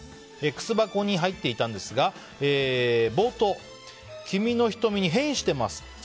靴箱に入っていたんですが冒頭、君の瞳に「変」してます。